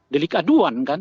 delik aduan kan